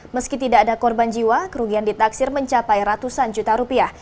meski tidak ada korban jiwa kerugian ditaksir mencapai ratusan juta rupiah